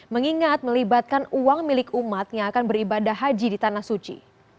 mengingat melibatkan uang milik umat yang akan beribadah haji di tanah suci